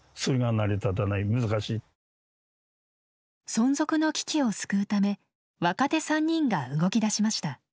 存続の危機を救うため若手３人が動きだしました。